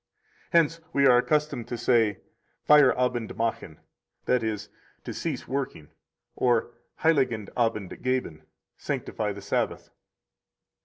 Hence we are accustomed to say, Feierabend machen [that is, to cease working], or heiligen Abend geben [sanctify the Sabbath].